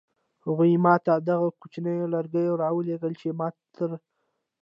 هغوی ما ته دغه کوچنی لرګی راولېږه چې ما تر اوسه ساتلی دی.